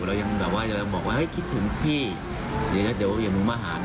เรายังบอกว่าคิดถึงพี่เดี๋ยวมึงมาหานะ